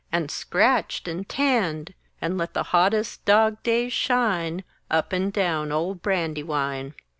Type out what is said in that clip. And scratched and tanned! And let hottest dog days shine Up and down old Brandywine!